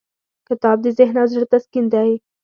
کتاب د ذهن او زړه تسکین دی.